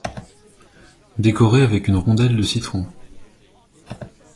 Décorer avec une rondelle de citron.